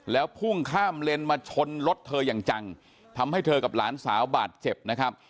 แล้วพุ่งข้ามเลนมาชนรถเธออย่างจังทำให้เธอกับหลานสาวบาดเจ็บนะครับ